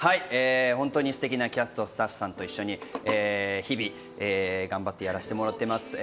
本当にステキなキャストさん、スタッフさん達と日々頑張ってやらせてもらっています。